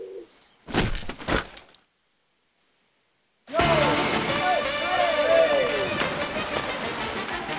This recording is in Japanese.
・よーいはい！